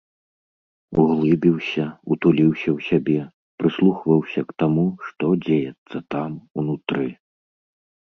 Углыбіўся, утуліўся ў сябе, прыслухваўся к таму, што дзеецца там, унутры.